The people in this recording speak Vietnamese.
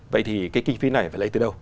vậy thì cái kinh phí này phải lấy từ đâu